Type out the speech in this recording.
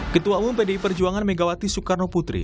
ketua umum pdi perjuangan megawati soekarno putri